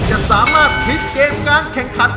จะสามารถทิศเกมงานแข่งขัน